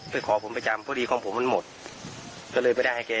เพราะดีของผมมันหมดก็เลยไปได้ให้แก